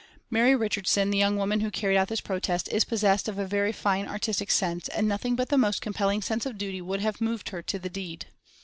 Mary Richardson, the young woman who carried out this protest, is possessed of a very fine artistic sense, and nothing but the most compelling sense of duty would have moved her to the deed.